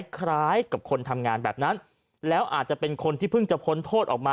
คล้ายกับคนทำงานแบบนั้นแล้วอาจจะเป็นคนที่เพิ่งจะพ้นโทษออกมา